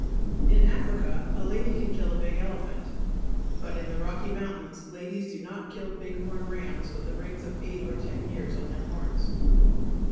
In Africa a lady can kill a big elephant, but in the Rocky Mountains ladies do not kill big horn rams with the rings of eight or ten years on their horns.